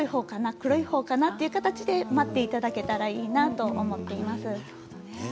黒いほうかな？という形で待っていただけたほうがいいなと思っています。